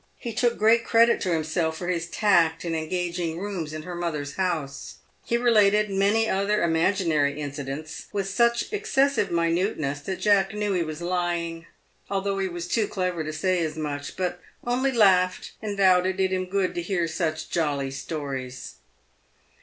He took great credit to himself for his tact in engaging rooms in her mother's house. He related many other imaginary incidents with such excessive minuteness, that Jack knew he was lying, although he was too clever to say as much, but only laughed, and vowed it did him good to hear such jolly stories.